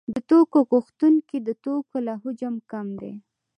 د توکو غوښتونکي د توکو له حجم کم دي